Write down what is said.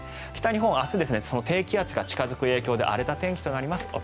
北日本は明日、低気圧が近付く影響で荒れた天気となります。